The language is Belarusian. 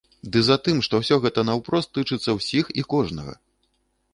Ды затым, што ўсё гэта наўпрост тычацца ўсіх і кожнага.